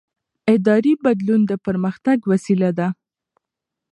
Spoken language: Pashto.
اداري بدلون د پرمختګ وسیله ده